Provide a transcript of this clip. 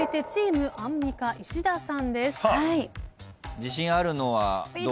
自信あるのはどう？